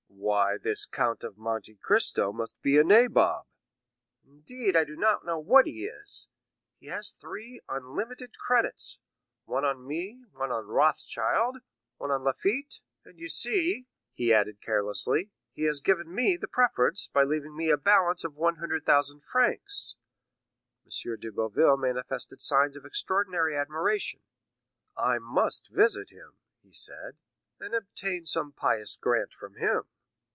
Why, this Count of Monte Cristo must be a nabob?" "Indeed I do not know what he is; he has three unlimited credits—one on me, one on Rothschild, one on Lafitte; and, you see," he added carelessly, "he has given me the preference, by leaving a balance of 100,000 francs." M. de Boville manifested signs of extraordinary admiration. "I must visit him," he said, "and obtain some pious grant from him."